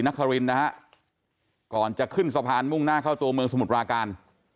นครินนะฮะก่อนจะขึ้นสะพานมุ่งหน้าเข้าตัวเมืองสมุทรปราการ